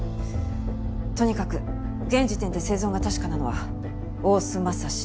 とにかく現時点で生存が確かなのは大須匡